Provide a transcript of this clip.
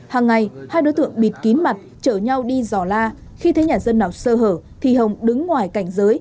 hàng ngày hai đối tượng bịt kín mặt chở nhau đi dò la khi thấy nhà dân nào sơ hở thì hồng đứng ngoài cảnh giới